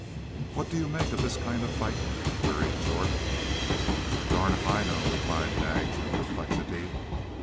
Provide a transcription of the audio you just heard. "What do you make of this kind of fightin'?" queried Jorth, "Darn if I know," replied Daggs in perplexity.